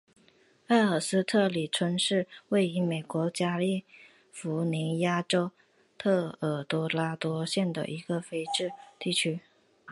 埃克斯特里村是位于美国加利福尼亚州埃尔多拉多县的一个非建制地区。